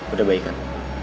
udah baik kan